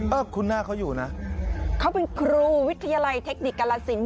คุ้นหน้าเขาอยู่นะเขาเป็นครูวิทยาลัยเทคนิคกาลสิน